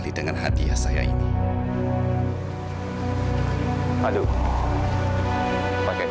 tidak usah terima kasih